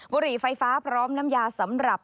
บุหรี่ไฟฟ้าพร้อมน้ำยาสำหรับ